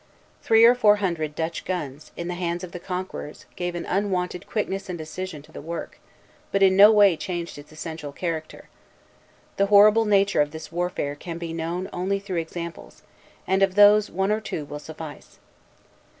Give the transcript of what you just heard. Three or four hundred Dutch guns, in the hands of the conquerors, gave an unwonted quickness and decision to the work, but in no way changed its essential character. The horrible nature of this warfare can be known only through examples; and of these one or two will suffice.